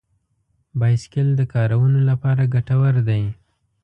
بایسکل د کارونو لپاره ګټور دی.